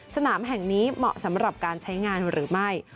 สนามแห่งนี้เหมาะสำหรับการใช้งานหรือไม่